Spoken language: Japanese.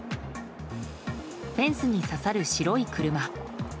フェンスに刺さる白い車。